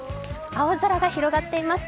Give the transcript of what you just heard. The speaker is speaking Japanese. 青空が広がっています。